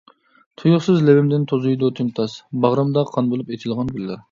تۇيۇقسىز لېۋىمدىن توزۇيدۇ تىمتاس، باغرىمدا قان بولۇپ ئېچىلغان گۈللەر.